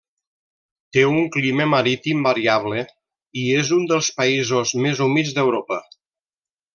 Té un clima marítim variable i és un dels països més humits d'Europa.